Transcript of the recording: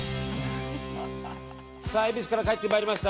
さあ、恵比寿から帰ってまいりました。